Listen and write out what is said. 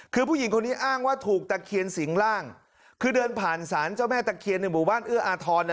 คือผู้หญิงคนนี้อ้างว่าถูกตะเคียนสิงร่างคือเดินผ่านศาลเจ้าแม่ตะเคียนในหมู่บ้านเอื้ออาทร